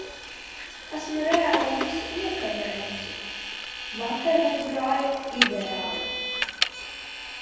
Esmu reāli visu iekavējusi. Vakar mums gāja ideāli!